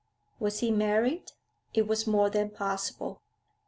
Was he married? It was more than possible.